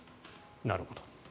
なるほど。